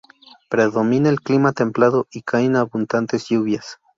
Predomina el clima templado, y caen abundantes lluvias.